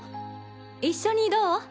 一緒にどう？